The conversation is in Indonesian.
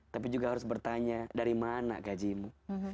tapi juga harus bertanya dari mana gajimu